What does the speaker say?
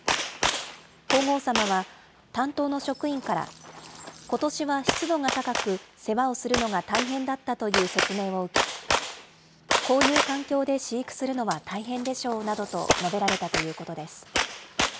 皇后さまは担当の職員から、ことしは湿度が高く、世話をするのが大変だったという説明を受け、こういう環境で飼育するのは大変でしょうなどと述べられたということです。